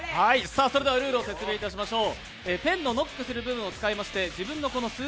ルールを説明いたしましょう。